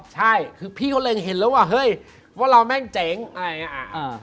ใช่พี่เขาเลยเห็นแล้วว่าเฮ้ยเราแม่งเจ๋งอะไรอย่างนี้อ่ะ